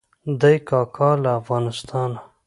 دی کاکا له افغانستانه.